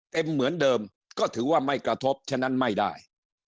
เหมือนเดิมก็ถือว่าไม่กระทบฉะนั้นไม่ได้